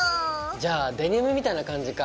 じゃあデニムみたいな感じか！